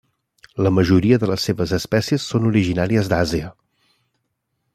La majoria de les seves espècies són originàries d'Àsia.